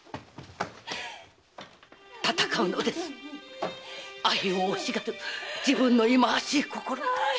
闘うのです阿片を欲しがる自分の忌まわしい心と！